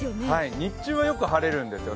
日中はよく晴れるんですよね。